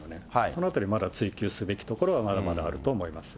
そのあたり、まだ追及すべきところはまだまだあると思います。